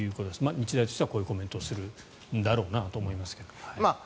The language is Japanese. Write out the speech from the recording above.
日大としてはこういうコメントをするんだろうなと思いますが。